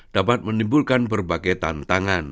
dapat menimbulkan berbagai tantangan